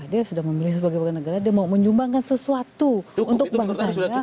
dia sudah memilih sebagian bagian negara dia mau menyumbangkan sesuatu untuk bangsa